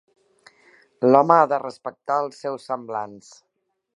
L'home ha de respectar els seus semblants.